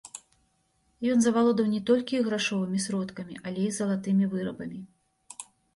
Ён завалодаў не толькі іх грашовымі сродкамі, але і залатымі вырабамі.